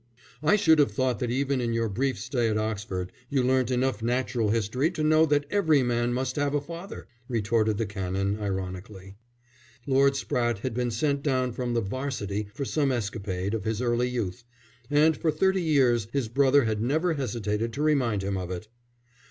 "I should have thought that even in your brief stay at Oxford you learnt enough natural history to know that every man must have a father," retorted the Canon, ironically. Lord Spratte had been sent down from the 'Varsity for some escapade of his early youth, and for thirty years his brother had never hesitated to remind him of it.